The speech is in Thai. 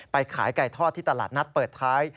ไปขายไก่ทอดที่ตลาดนัดเปิดท้าย